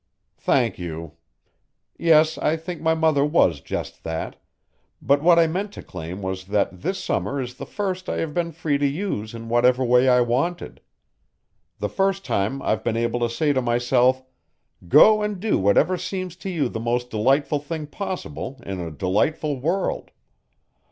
"Thank you. Yes, I think my mother was just that but what I meant to claim was that this summer is the first I have been free to use in whatever way I wanted: the first time I've been able to say to myself, 'Go and do whatever seems to you the most delightful thing possible in a delightful world.'